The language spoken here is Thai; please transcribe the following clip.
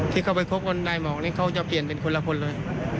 ที่เขาไปคบกันนายหมองนี่เขาจะเปลี่ยนเป็นคนละคนเลย